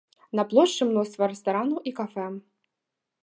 На плошчы мноства рэстаранаў і кафэ.